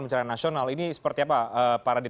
bencana nasional ini seperti apa pak radit